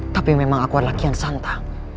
tapi memang aku adalah kian santa